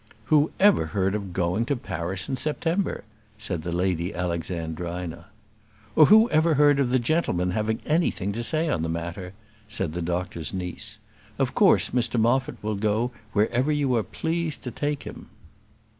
"Who ever heard of going to Paris in September?" said the Lady Alexandrina. "Or who ever heard of the gentleman having anything to say on the matter?" said the doctor's niece. "Of course Mr Moffat will go wherever you are pleased to take him."